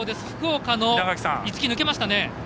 福岡の逸木、抜けましたね。